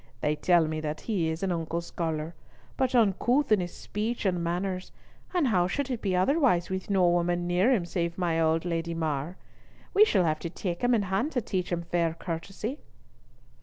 They tell me that he is an unco scholar, but uncouth in his speech and manners, and how should it be otherwise with no woman near him save my old Lady Mar? We shall have to take him in hand to teach him fair courtesy."